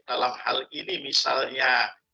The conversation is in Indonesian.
dalam hal ini misalnya